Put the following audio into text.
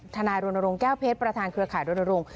ทนายโรนโรงแก้วเพชรประธานเครือข่ายโรนโรง